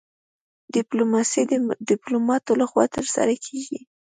ډیپلوماسي د ډیپلوماتانو لخوا ترسره کیږي